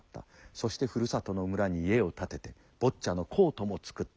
そしてふるさとの村に家を建ててボッチャのコートも作った。